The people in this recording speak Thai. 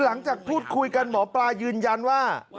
หลังจากพูดคุยกันหมอปลายืนยันว่า